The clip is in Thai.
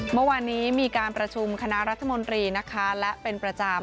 เมื่อวานนี้มีการประชุมคณะรัฐมนตรีนะคะและเป็นประจำ